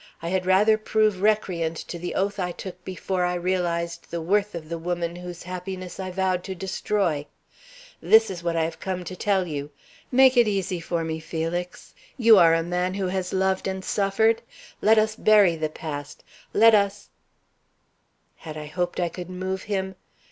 I had rather prove recreant to the oath I took before I realized the worth of the woman whose happiness I vowed to destroy. This is what I have come to tell you. Make it easy for me, Felix. You are a man who has loved and suffered. Let us bury the past; let us " Had I hoped I could move him?